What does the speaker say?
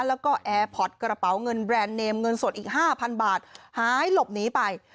แล้วก็แอร์พอร์ตกระเป๋าเงินแบรนด์เนมเงินสดอีกห้าพันบาทหายหลบหนีไป